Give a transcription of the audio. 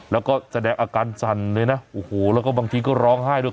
แล้วก็แสดงอาการสั่นเลยนะโอ้โหแล้วก็บางทีก็ร้องไห้ด้วย